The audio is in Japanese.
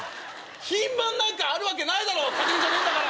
品番なんかあるわけないだろ家電じゃねえんだから！